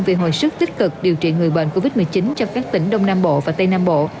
vì hồi sức tích cực điều trị người bệnh covid một mươi chín cho các tỉnh đông nam bộ và tây nam bộ